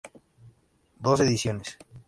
Dos ediciones.